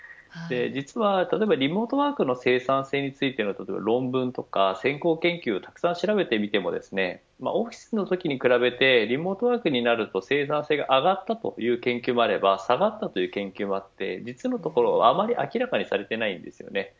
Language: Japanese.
実は例えばリモートワークの生産性についての論文とか先行研究をたくさん調べてみてもオフィスのときに比べてリモートワークになると生産性が上がったという研究もあれば、下がったという研究もあって実のところ、あまり明らかにされていないんですよね。